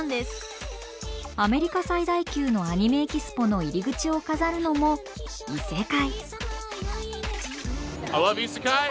アメリカ最大級のアニメ・エキスポの入り口を飾るのも異世界。